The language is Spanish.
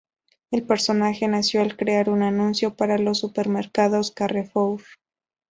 El personaje nació al crear un anuncio para los supermercados Carrefour.